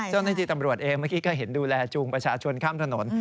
เจ้าหน้าที่ตำรวจเองเมื่อกี้ก็เห็นดูแลจูงประชาชนข้ามถนน